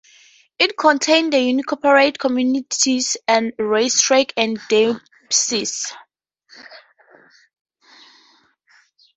It contains the unincorporated communities of Racetrack and Dempsey.